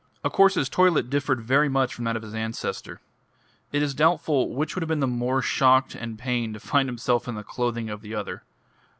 Of course his toilet differed very much from that of his ancestor. It is doubtful which would have been the more shocked and pained to find himself in the clothing of the other.